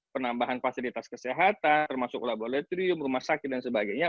penambahan fasilitas kesehatan termasuk laboratorium rumah sakit dan sebagainya